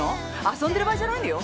遊んでる場合じゃないのよ。